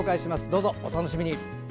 どうぞお楽しみに。